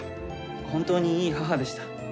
本当にいい母でした。